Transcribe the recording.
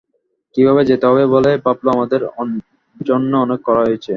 কীভাবে যেতে হবে বলেই ভাবল আমাদের জন্যে অনেক করা হয়েছে।